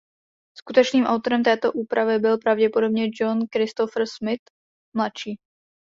Skutečným autorem této úpravy byl pravděpodobně John Christopher Smith mladší.